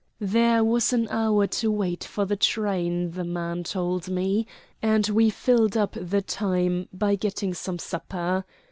There was an hour to wait for the train, the man told me, and we filled up the time by getting some supper.